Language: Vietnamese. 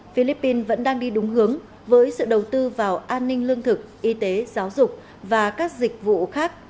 philippines vẫn đang đi đúng hướng với sự đầu tư vào an ninh lương thực y tế giáo dục và các dịch vụ khác